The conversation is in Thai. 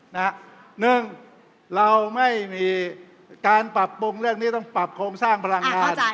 หนึ่งเราไม่มีการปรับปรุงเรื่องนี้ต้องปรับโครงสร้างพลังงาน